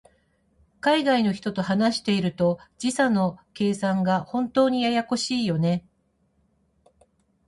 海外の人と話していると、時差の計算が本当にややこしいよね。